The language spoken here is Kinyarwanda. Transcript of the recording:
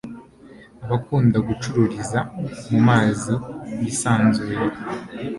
abakunda gucururiza mu mazi y'isanzure